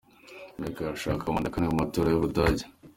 Merkel arashaka manda ya kane mu matora y'Ubudage.